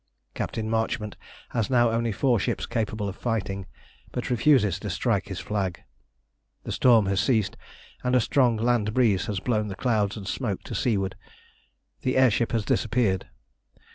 Captain Marchmont has now only four ships capable of fighting, but refuses to strike his flag. The storm has ceased, and a strong land breeze has blown the clouds and smoke to seaward. The air ship has disappeared.